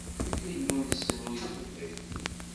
Illu-nsen ur yebɣi.